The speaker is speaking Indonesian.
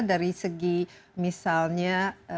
dari segi misalnya